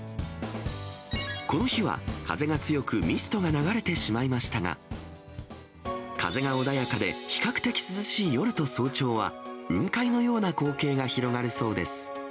この日は風が強くミストが流れてしまいましたが、風が穏やかで、比較的涼しい夜と早朝は、雲海のような光景が広がるそうです。